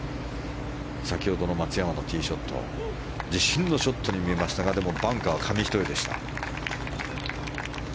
先ほどの松山のティーショット自信のショットに見えましたがバンカー紙一重でした。